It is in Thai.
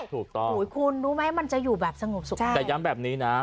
ถูกต้องอุ้ยคุณรู้ไหมมันจะอยู่แบบสงบสุขแต่ย้ำแบบนี้นะ